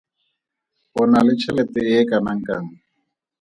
O na le tšhelete e e kanakang?